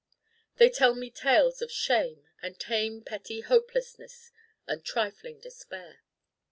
They tell me tales of shame and tame petty hopelessness and trifling despair.